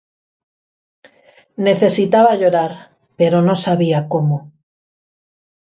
Necesitaba llorar, pero no sabía cómo.